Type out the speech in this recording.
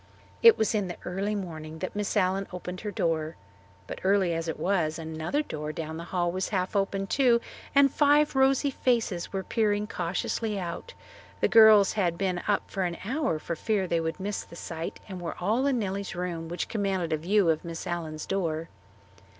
It was in the early morning that Miss Allen opened her door. But early as it was, another door down the hall was half open too and five rosy faces were peering cautiously out. The girls had been up for an hour for fear they would miss the sight and were all in Nellie's room, which commanded a view of Miss Allen's door.